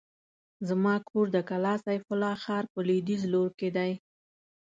زما کور د کلا سيف الله ښار په لوېديځ لور کې دی.